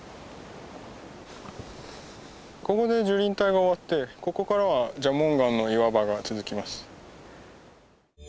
ここで樹林帯が終わってここからは蛇紋岩の岩場が続きます。